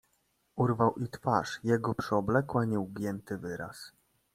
"Urwał i twarz jego przyoblekła nieugięty wyraz."